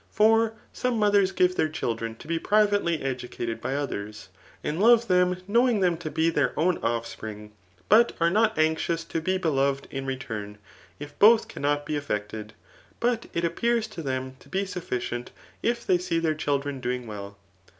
For some mo* then giv« their children to b% privately educated by otbetv, alid love them knowing them to be their own ofl^pringy but are not anxious to be beloved in return if both cannot be effected, but it appears to them to be sufficient if they see their children dcung well.